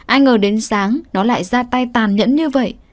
ai ngờ đến sáng nó lại ra tay tàn nhẫn như vậy